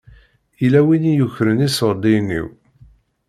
Yella win i yukren iṣuṛdiyen-iw.